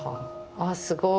あすごい。